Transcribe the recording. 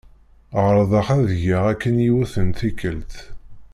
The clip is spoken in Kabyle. Ԑerḍeɣ ad geɣ akken yiwet n tikelt.